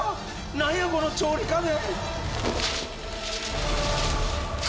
何やこの調理家電！